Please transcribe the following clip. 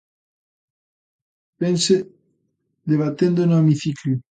Vense debatendo no hemiciclo.